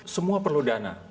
semua perlu dana